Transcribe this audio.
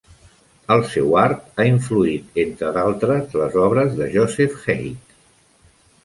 El seu art ha influït entre d'altres les obres de Joseph Heicke.